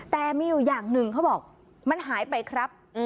แต่มีอยู่อย่างหนึ่งเขาบอกมันหายไปครับ